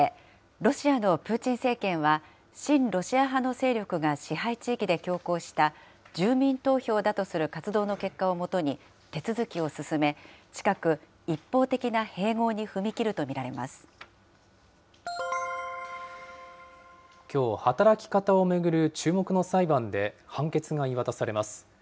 ロシアのプーチン政権は、親ロシア派の勢力が支配地域で強行した住民投票だとする活動の結果をもとに手続きを進め、近く、一方的な併合に踏み切ると見られきょう、働き方を巡る注目の裁判で、判決が言い渡されます。